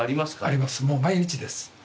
あります、もう毎日です。